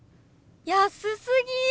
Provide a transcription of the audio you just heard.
安すぎ！